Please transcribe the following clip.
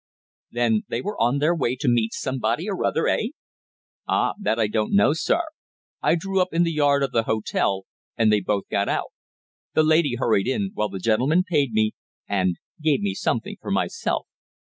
'" "Then they were on their way to meet somebody or other eh?" "Ah! that I don't know, sir. I drew up in the yard of the hotel, and they both got out. The lady hurried in, while the gentleman paid me, and gave me something for myself.